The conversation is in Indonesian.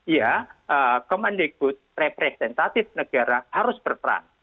ya kemendikbud representatif negara harus berperan